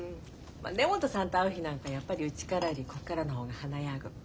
根本さんと会う日なんかやっぱりうちからよりこっからの方が華やぐ。